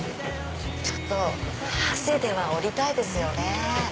ちょっと長谷では降りたいですよね。